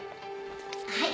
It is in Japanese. はい。